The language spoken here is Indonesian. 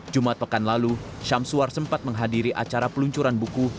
jumat pekan lalu syamsuar sempat menghadiri acara peluncuran buku